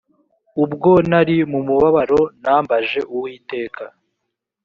ubwo nari mu mubabaro nambaje uwiteka